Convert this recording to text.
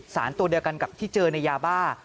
สารตัวเดียวกันกับที่เจอในยาบ้า